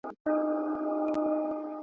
د ونو پرېکول يې بې ضرورته منع کړل.